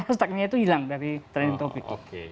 stacknya itu hilang dari trending topic